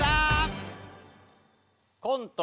コント